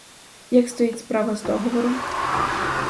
Як стоїть справа з договором?